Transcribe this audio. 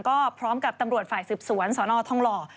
ก็พร้อมกับตำรวจฝ่ายสืบสวนสนทองหล่อ